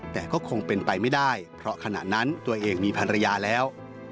แต่ก็คงเป็นไปไม่ได้เพราะขณะนั้นตัวเองมีภรรยาแล้ว